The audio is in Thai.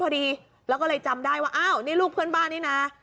พอดีแล้วก็เลยจำได้ว่าอ้าวนี่ลูกเพื่อนบ้านนี่นะ